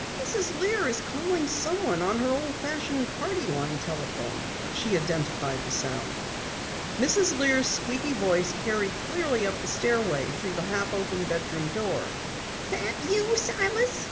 "Mrs. Lear is calling someone on the old fashioned party line telephone!" she identified the sound. Mrs. Lear's squeaky voice carried clearly up the stairway through the half open bedroom door. "That you, Silas?"